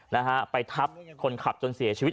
นะฮะไปทับคนขับจนเสียชีวิต